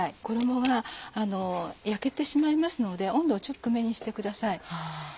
衣が焼けてしまいますので温度を低めにしてください。